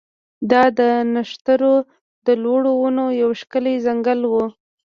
دا د نښترو د لوړو ونو یو ښکلی ځنګل و